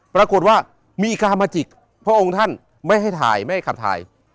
ปรากฏว่ามีกามาจิกพระองค์ท่านไม่ให้ถ่ายไม่ให้ขับถ่าย